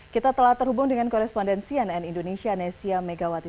kita telah terhubung dengan korespondensi ann indonesia nesia megawati